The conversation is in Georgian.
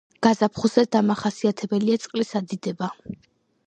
გაზაფხულზე დამახასიათებელია წყლის ადიდება.